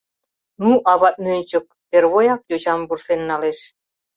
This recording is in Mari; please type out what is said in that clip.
Ну, ават нӧнчык! — первояк йочам вурсен налеш.